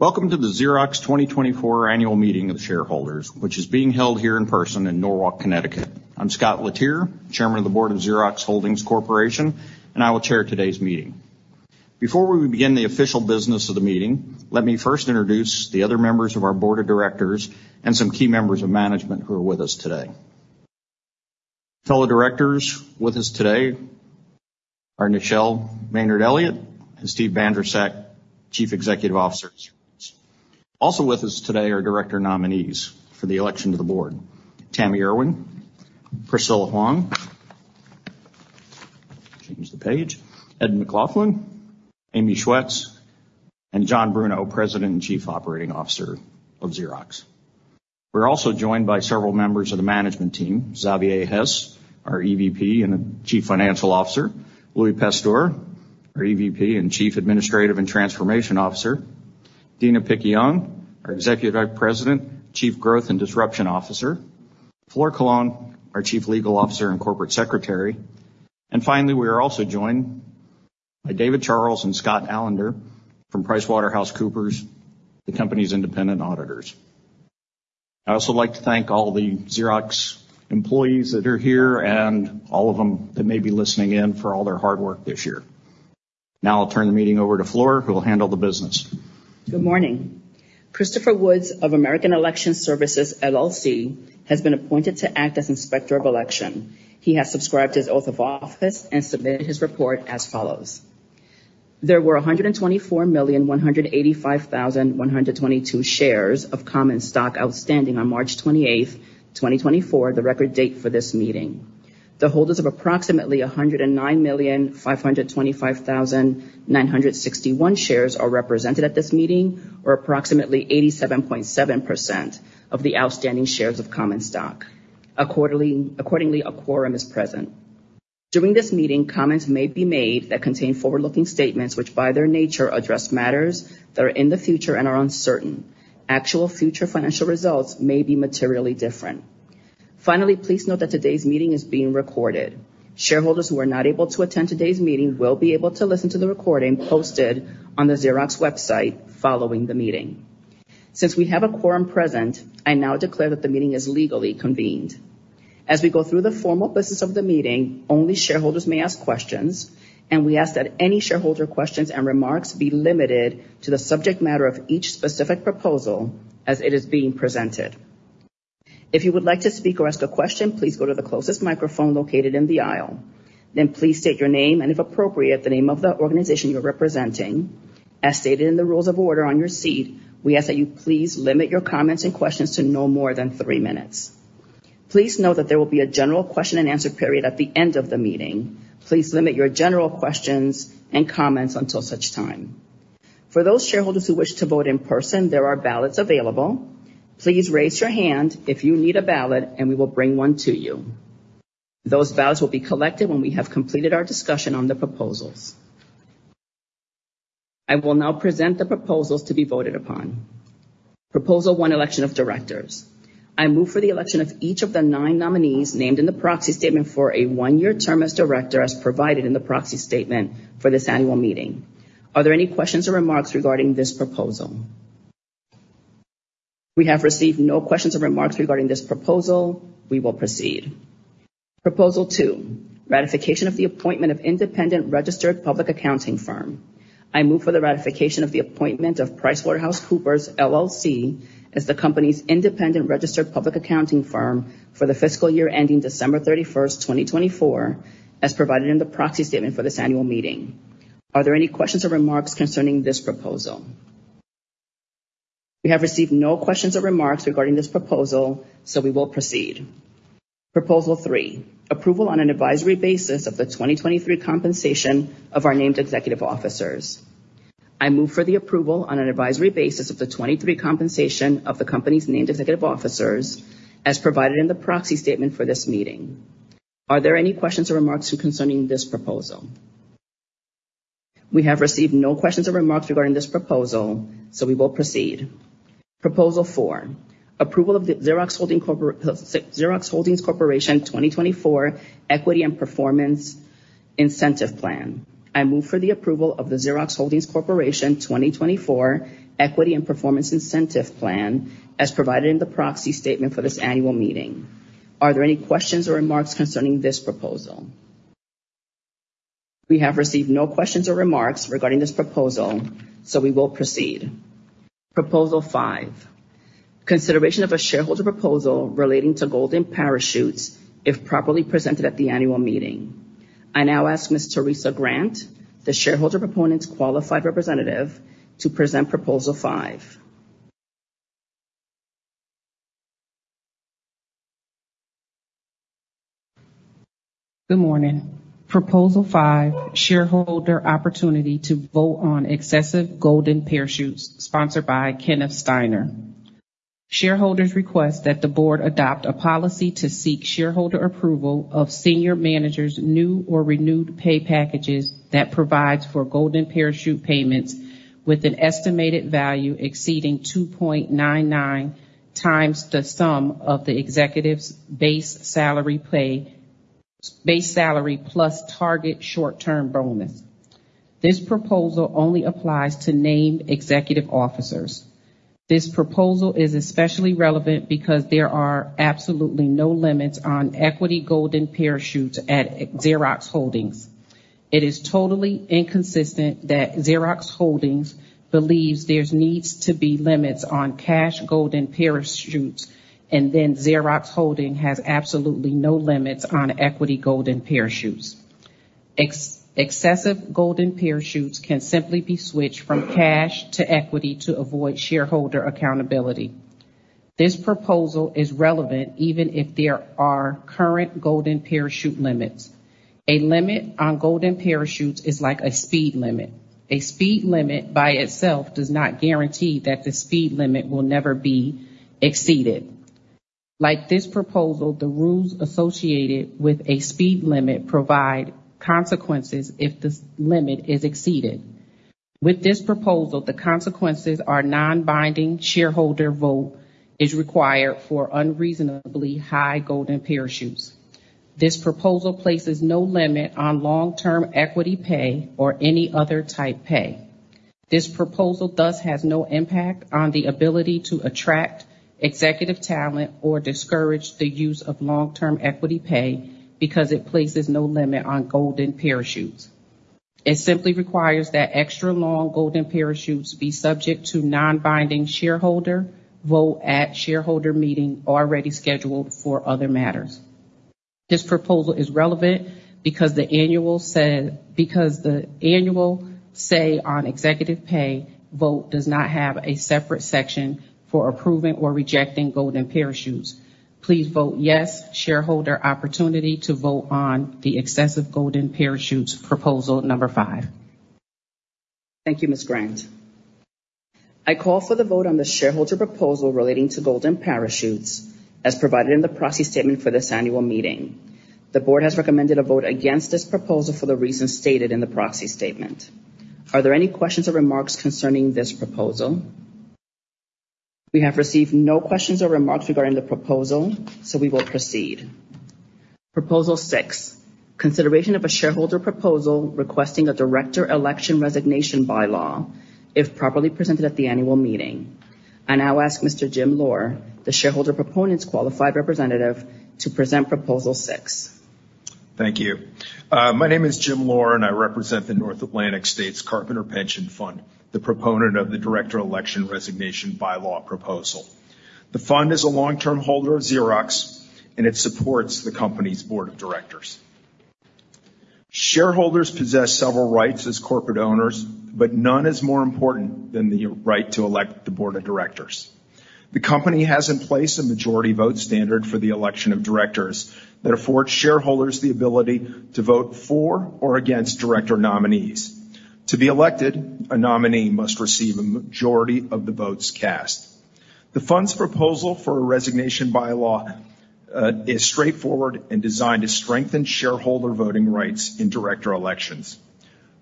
...Welcome to the Xerox 2024 Annual Meeting of Shareholders, which is being held here in person in Norwalk, Connecticut. I'm Scott Letier, Chairman of the Board of Xerox Holdings Corporation, and I will chair today's meeting. Before we begin the official business of the meeting, let me first introduce the other members of our board of directors and some key members of management who are with us today. Fellow directors with us today are Nichelle Maynard-Elliott and Steve Bandrowczak, Chief Executive Officer of Xerox. Also with us today are director nominees for the election to the board, Tami Erwin, Priscilla Hung, Ed McLaughlin, Amy Schwetz, and John Bruno, President and Chief Operating Officer of Xerox. We're also joined by several members of the management team, Xavier Heiss, our EVP and Chief Financial Officer, Louie Pastor, our EVP and Chief Administrative and Transformation Officer, Deena Piquion, our Executive Vice President, Chief Growth and Disruption Officer, Flor Colón, our Chief Legal Officer and Corporate Secretary. And finally, we are also joined by David Charles and Scott Allender from PricewaterhouseCoopers, the company's independent auditors. I'd also like to thank all the Xerox employees that are here and all of them that may be listening in for all their hard work this year. Now I'll turn the meeting over to Flor, who will handle the business. Good morning. Christopher Woods of American Election Services, LLC, has been appointed to act as Inspector of Election. He has subscribed his oath of office and submitted his report as follows: There were 124,185,122 shares of common stock outstanding on March 28, 2024, the record date for this meeting. The holders of approximately 109,525,961 shares are represented at this meeting, or approximately 87.7% of the outstanding shares of common stock. Accordingly, a quorum is present. During this meeting, comments may be made that contain forward-looking statements, which, by their nature, address matters that are in the future and are uncertain. Actual future financial results may be materially different. Finally, please note that today's meeting is being recorded. Shareholders who are not able to attend today's meeting will be able to listen to the recording posted on the Xerox website following the meeting. Since we have a quorum present, I now declare that the meeting is legally convened. As we go through the formal business of the meeting, only shareholders may ask questions, and we ask that any shareholder questions and remarks be limited to the subject matter of each specific proposal as it is being presented. If you would like to speak or ask a question, please go to the closest microphone located in the aisle. Then please state your name and, if appropriate, the name of the organization you are representing. As stated in the rules of order on your seat, we ask that you please limit your comments and questions to no more than three minutes. Please note that there will be a general question and answer period at the end of the meeting. Please limit your general questions and comments until such time. For those shareholders who wish to vote in person, there are ballots available. Please raise your hand if you need a ballot, and we will bring one to you. Those ballots will be collected when we have completed our discussion on the proposals. I will now present the proposals to be voted upon. Proposal one, election of directors. I move for the election of each of the nine nominees named in the proxy statement for a one-year term as director, as provided in the proxy statement for this annual meeting. Are there any questions or remarks regarding this proposal? We have received no questions or remarks regarding this proposal. We will proceed. Proposal two, ratification of the appointment of independent registered public accounting firm. I move for the ratification of the appointment of PricewaterhouseCoopers LLP as the company's independent registered public accounting firm for the fiscal year ending December 31, 2024, as provided in the proxy statement for this annual meeting. Are there any questions or remarks concerning this proposal? We have received no questions or remarks regarding this proposal, so we will proceed. Proposal three, approval on an advisory basis of the 2023 compensation of our named executive officers. I move for the approval on an advisory basis of the 2023 compensation of the company's named executive officers, as provided in the proxy statement for this meeting. Are there any questions or remarks concerning this proposal? We have received no questions or remarks regarding this proposal, so we will proceed. Proposal four, approval of the Xerox Holdings Corporation 2024 Equity and Performance Incentive Plan. I move for the approval of the Xerox Holdings Corporation 2024 Equity and Performance Incentive Plan, as provided in the proxy statement for this annual meeting. Are there any questions or remarks concerning this proposal? We have received no questions or remarks regarding this proposal, so we will proceed. Proposal five, consideration of a shareholder proposal relating to golden parachutes if properly presented at the annual meeting. I now ask Ms. Theresa Grant, the shareholder proponent's qualified representative, to present Proposal five. Good morning. Proposal five, shareholder opportunity to vote on excessive golden parachutes, sponsored by Kenneth Steiner. Shareholders request that the board adopt a policy to seek shareholder approval of senior managers' new or renewed pay packages that provides for golden parachute payments with an estimated value exceeding 2.99 times the sum of the executive's base salary pay- ... base salary plus target short-term bonus. This proposal only applies to named executive officers. This proposal is especially relevant because there are absolutely no limits on equity golden parachutes at Xerox Holdings. It is totally inconsistent that Xerox Holdings believes there's needs to be limits on cash golden parachutes, and then Xerox Holdings has absolutely no limits on equity golden parachutes. Excessive golden parachutes can simply be switched from cash to equity to avoid shareholder accountability. This proposal is relevant even if there are current golden parachute limits. A limit on golden parachutes is like a speed limit. A speed limit by itself does not guarantee that the speed limit will never be exceeded. Like this proposal, the rules associated with a speed limit provide consequences if this limit is exceeded. With this proposal, the consequences are non-binding, shareholder vote is required for unreasonably high golden parachutes. This proposal places no limit on long-term equity pay or any other type pay. This proposal, thus, has no impact on the ability to attract executive talent or discourage the use of long-term equity pay because it places no limit on golden parachutes. It simply requires that extra long golden parachutes be subject to non-binding shareholder vote at shareholder meeting already scheduled for other matters. This proposal is relevant because the annual say on executive pay vote does not have a separate section for approving or rejecting golden parachutes. Please vote yes, shareholder opportunity to vote on the excessive golden parachutes, proposal number five. Thank you, Ms. Grant. I call for the vote on the shareholder proposal relating to golden parachutes, as provided in the proxy statement for this annual meeting. The board has recommended a vote against this proposal for the reasons stated in the proxy statement. Are there any questions or remarks concerning this proposal? We have received no questions or remarks regarding the proposal, so we will proceed. Proposal six, consideration of a shareholder proposal requesting a director election resignation bylaw, if properly presented at the annual meeting. I now ask Mr. Jim Lohr, the shareholder proponent's qualified representative, to present proposal six. Thank you. My name is Jim Lohr, and I represent the North Atlantic States Carpenters Pension Fund, the proponent of the director election resignation bylaw proposal. The fund is a long-term holder of Xerox, and it supports the company's board of directors. Shareholders possess several rights as corporate owners, but none is more important than the right to elect the board of directors. The company has in place a majority vote standard for the election of directors that afford shareholders the ability to vote for or against director nominees. To be elected, a nominee must receive a majority of the votes cast. The fund's proposal for a resignation bylaw is straightforward and designed to strengthen shareholder voting rights in director elections.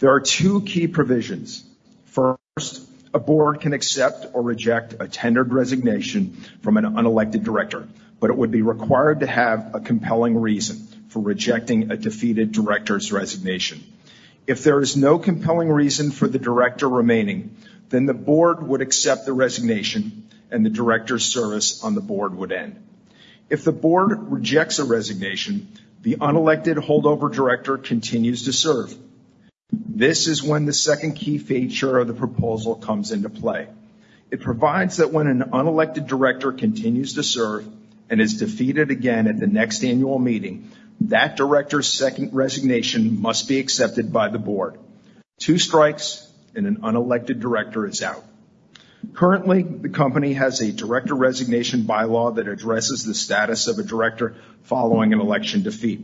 There are two key provisions. First, a board can accept or reject a tendered resignation from an unelected director, but it would be required to have a compelling reason for rejecting a defeated director's resignation. If there is no compelling reason for the director remaining, then the board would accept the resignation, and the director's service on the board would end. If the board rejects a resignation, the unelected holdover director continues to serve. This is when the second key feature of the proposal comes into play. It provides that when an unelected director continues to serve and is defeated again at the next annual meeting, that director's second resignation must be accepted by the board. Two strikes, and an unelected director is out. Currently, the company has a director resignation bylaw that addresses the status of a director following an election defeat.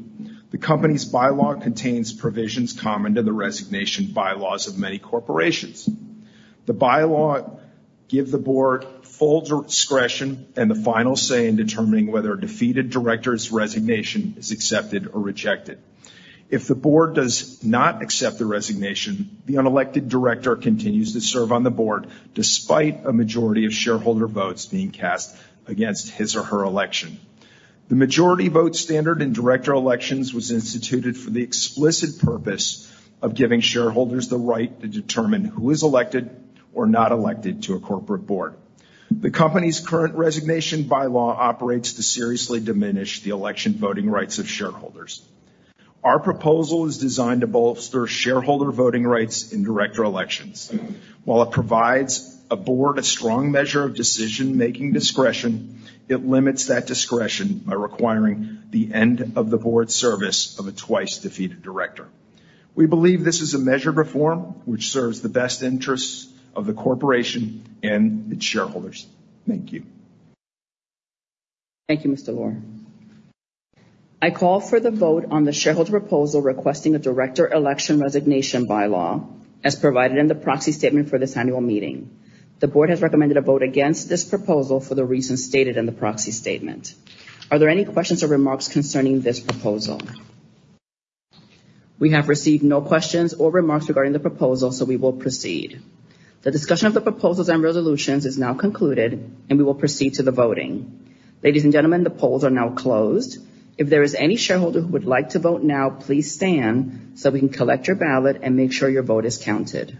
The company's bylaw contains provisions common to the resignation bylaws of many corporations. The bylaw give the board full discretion and the final say in determining whether a defeated director's resignation is accepted or rejected. If the board does not accept the resignation, the unelected director continues to serve on the board, despite a majority of shareholder votes being cast against his or her election. The majority vote standard in director elections was instituted for the explicit purpose of giving shareholders the right to determine who is elected or not elected to a corporate board. The company's current resignation bylaw operates to seriously diminish the election voting rights of shareholders. Our proposal is designed to bolster shareholder voting rights in director elections. While it provides a board a strong measure of decision-making discretion, it limits that discretion by requiring the end of the board's service of a twice-defeated director. We believe this is a measured reform, which serves the best interests of the corporation and its shareholders. Thank you. Thank you, Mr. Lohr. I call for the vote on the shareholder proposal requesting a director election resignation bylaw, as provided in the proxy statement for this annual meeting. The board has recommended a vote against this proposal for the reasons stated in the proxy statement. Are there any questions or remarks concerning this proposal? We have received no questions or remarks regarding the proposal, so we will proceed. The discussion of the proposals and resolutions is now concluded, and we will proceed to the voting. Ladies and gentlemen, the polls are now closed. If there is any shareholder who would like to vote now, please stand so we can collect your ballot and make sure your vote is counted.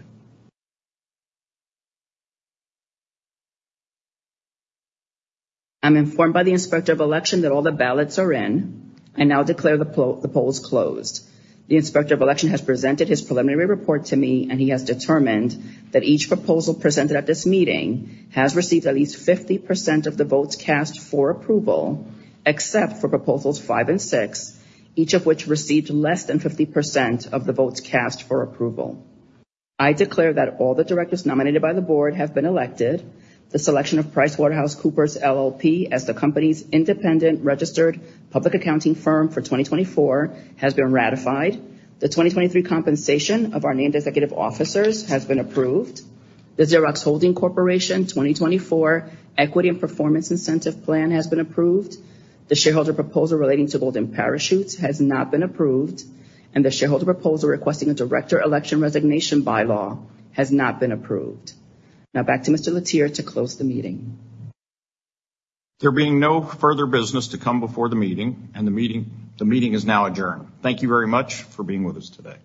I'm informed by the Inspector of Election that all the ballots are in. I now declare the polls closed. The Inspector of Election has presented his preliminary report to me, and he has determined that each proposal presented at this meeting has received at least 50% of the votes cast for approval, except for proposals 5 and 6, each of which received less than 50% of the votes cast for approval. I declare that all the directors nominated by the board have been elected. The selection of PricewaterhouseCoopers LLP as the company's independent registered public accounting firm for 2024 has been ratified. The 2023 compensation of our named executive officers has been approved. The Xerox Holdings Corporation 2024 Equity and Performance Incentive Plan has been approved. The shareholder proposal relating to golden parachutes has not been approved, and the shareholder proposal requesting a director election resignation bylaw has not been approved. Now, back to Mr. Letier to close the meeting. There being no further business to come before the meeting, and the meeting is now adjourned. Thank you very much for being with us today.